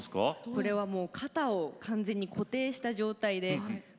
これはもう肩を完全に固定した状態で首だけを。